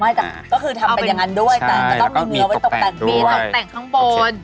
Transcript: ไม่จังก็คือทำเป็นอย่างนั้นด้วยแต่ต้องมีเนื้อไว้ตกแต่งด้วยแล้วก็มีตกแต่งด้วยตกแต่งข้างบน